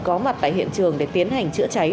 có mặt tại hiện trường để tiến hành chữa cháy